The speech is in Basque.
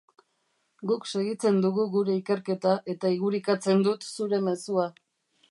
Guk segitzen dugu gure ikerketa eta igurikatzen dut zure mezua.